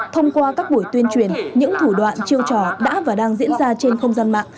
thông qua các buổi tuyên truyền những thủ đoạn chiêu trò đã và đang diễn ra trên không gian mạng